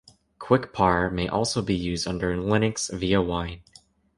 QuickPar may also be used under Linux via Wine.